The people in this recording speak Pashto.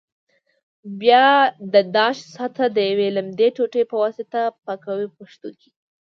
بیا د داش سطحه د یوې لمدې ټوټې په واسطه پاکوي په پښتو کې.